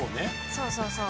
そうそうそう。